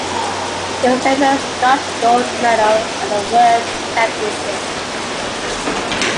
It was the first Dutch gold medal at a World Championship.